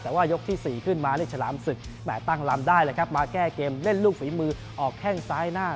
แต่ว่ายกที่๔ขึ้นมานี่ฉลามศึกแหม่ตั้งลำได้เลยครับมาแก้เกมเล่นลูกฝีมือออกแข้งซ้ายหน้า